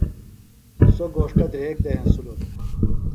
سوۡ گھوݜٹہ دھریگ دے ہنسِلوۡ دےۡ۔